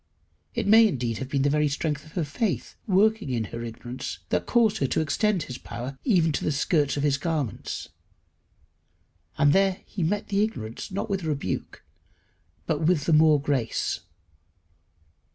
It may indeed have been the very strength of her faith working in her ignorance that caused her to extend his power even to the skirts of his garments. And there he met the ignorance, not with rebuke, but with the more grace.